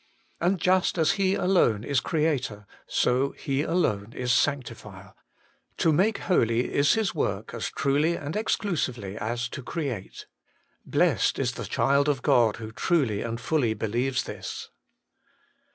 And just as He alone is Creator, so He alone is Sanctifier ; to make holy is His work as truly and exclusively as to create. Blessed is the child of God who truly and fully believes this